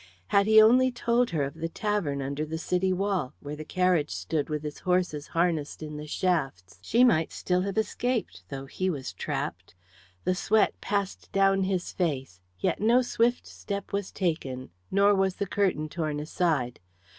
Had he only told her of the tavern under the city wall, where the carriage stood with its horses harnessed in the shafts, she might still have escaped, though he was trapped. The sweat passed down his face. Yet no swift step was taken, nor was the curtain torn aside.